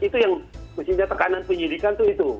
itu yang mestinya tekanan penyidikan itu itu